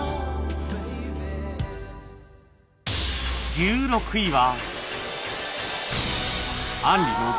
１６位は